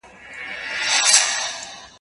هسي نه چي یې یوې خواته لنګر وي